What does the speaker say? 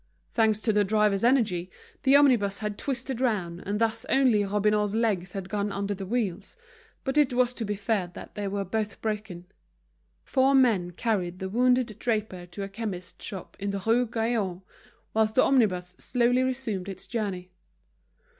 Thanks to the driver's energy, the omnibus had twisted round, and thus only Robineau's legs had gone under the wheels, but it was to be feared that they were both broken. Four men carried the wounded draper to a chemist's shop in the Rue Gaillon, whilst the omnibus slowly resumed its journey.